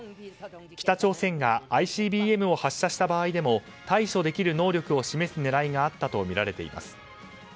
北朝鮮がＩＣＢＭを発射した場合でも対処できる能力を示す狙いがあったとみられています。